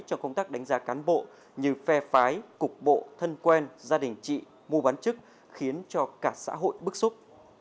cho công tác đánh giá cán bộ như phe phái cục bộ thân quen gia đình chị mua bán chức khiến cho cả xã hội bức xúc